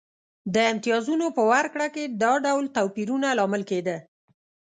د امتیازونو په ورکړه کې دا ډول توپیرونه لامل کېده.